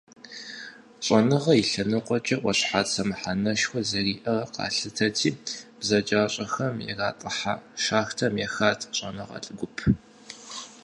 ЩӀэныгъэ и лъэныкъуэкӀэ Ӏуащхьацэ мыхьэнэшхуэ зэриӀэр къалъытэри, бзаджащӀэхэм иратӀыха шахтэм ехат щӀэныгъэлӀ гуп.